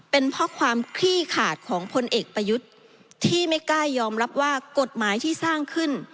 เป็นเพราะความคลี่ขาดของพลเอกประยุทธ์ที่ไม่กล้ายอมรับว่ากฎหมายที่สร้างขึ้น